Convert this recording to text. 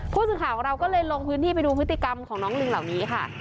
ผู้สื่อข่าวของเราก็เลยลงพื้นที่ไปดูพฤติกรรมของน้องลิงเหล่านี้ค่ะ